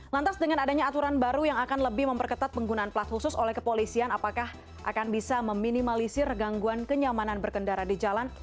lantas dengan adanya aturan baru yang akan lebih memperketat penggunaan plat khusus oleh kepolisian apakah akan bisa meminimalisir gangguan kenyamanan berkendara di jalan